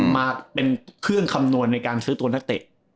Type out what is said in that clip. มาเป็นเครื่องคำนวณในการซื้อตัวนักเตะ